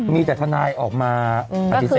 มีแต่ทนายออกมาปฏิเสธ